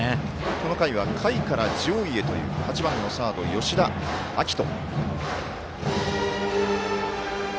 この回は下位から上位へという８番のサード、吉田暁登。